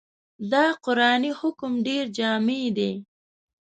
دا قرآني حکم ډېر جامع دی.